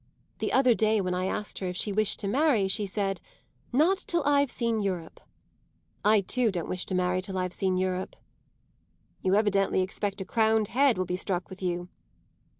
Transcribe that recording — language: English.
The other day when I asked her if she wished to marry she said: 'Not till I've seen Europe!' I too don't wish to marry till I've seen Europe." "You evidently expect a crowned head will be struck with you."